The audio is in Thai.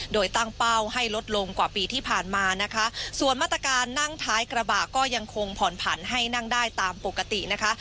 โดยตั้งเป้าให้ลดลงกว่าปีที่ผ่านมานะคะส่วนมาตรการนั่งท้ายกระบะก็ยังคงผ่อนผันให้นั่งได้ตามปกตินะคะ